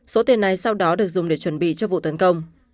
số tiền này sau đó được dùng để chuẩn bị cho vụ tấn công